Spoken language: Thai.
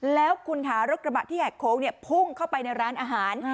แล้วคุณค่ะรถกระบะที่แหกโค้งพุ่งเข้าไปในร้านอาหาร